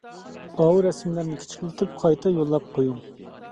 ئاۋۇ رەسىملەرنى كىچىكلىتىپ قايتا يوللاپ قويۇڭ!